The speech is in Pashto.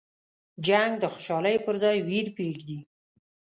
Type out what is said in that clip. جنګ د خوشحالیو په ځای ویر پرېږدي.